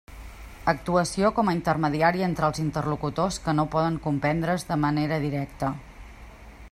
Actuació com a intermediari entre els interlocutors que no poden comprendre's de manera directa.